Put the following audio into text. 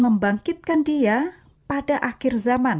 membangkitkan dia pada akhir zaman